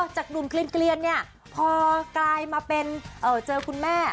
จากหนุ่มเกลียนเนี่ยพอกลายมาเป็นเจอคุณแม่